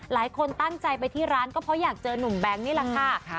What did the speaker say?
หลายคนตั้งใจไปที่ร้านก็เพราะอยากเจอนุ่มแบงค์นี่แหละค่ะ